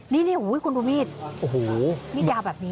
นี่คุณบุมมีดมียาวแบบนี้